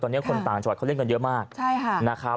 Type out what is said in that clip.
ตอนนี้คนต่างจังหวัดเขาเล่นกันเยอะมาก